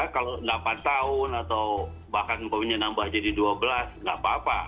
kalau delapan tahun atau bahkan poinnya nambah jadi dua belas nggak apa apa